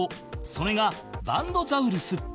それがバンドザウルス